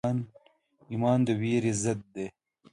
ایمان د ویرې ضد دی.